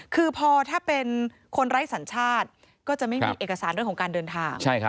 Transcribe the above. คือพอถ้าเป็นคนไร้สัญชาติก็จะไม่มีเอกสารเรื่องของการเดินทาง